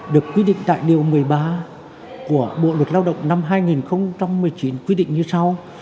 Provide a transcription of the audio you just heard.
được quy định tại điều một mươi ba của bộ luật lao động năm hai nghìn một mươi chín quy định như sau